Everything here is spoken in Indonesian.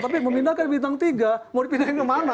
tapi memindahkan bintang tiga mau dipindahin ke mana